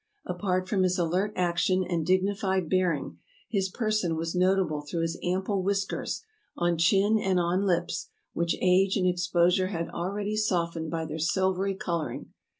Apart from his alert action and dignified bearing, his person was no table through his ample whiskers, on chin and on lips, which age and exposure had already softened by their silvery coloring.